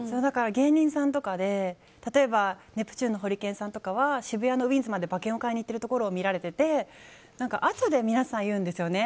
芸人さんとかで、例えばネプチューンのホリケンさんとかは渋谷まで馬券を買いに行ってるところを見られてあとで皆さん言うですよね。